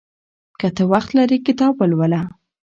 که ته وخت لرې کتاب ولوله.